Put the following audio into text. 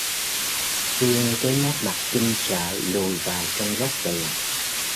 Phương với nét mặt kinh sợ lùi vào trong góc tường